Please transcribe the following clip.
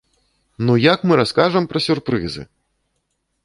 Ну як мы раскажам пра сюрпрызы?!